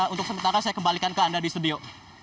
untuk sementara saya kembalikan ke anda di studio